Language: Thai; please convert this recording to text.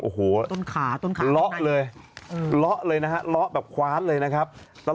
โอ้โฮละเลยละเลยนะฮะละแบบคว้านเลยนะครับต้นขาต้นขา